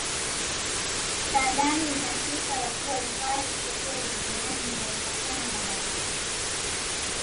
saadani ina sifa ya kuwa hifadhi pekee duniani inayopakana na bahari